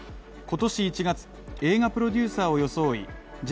今年１月、映画プロデューサーを装い